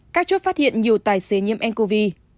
các chỗ phát hiện nhiều tài xế nhiêm ncov